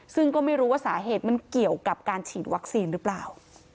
ซึ่งก็ไม่รู้ว่าสาเหตุมันเกี่ยวกับการฉีดวัคซีนหรือเปล่า